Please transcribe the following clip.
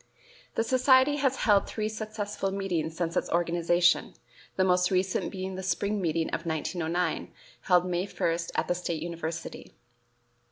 The society has held three successful meetings since its organization, the most recent being the spring meeting of 1909, held May 1, at the State University.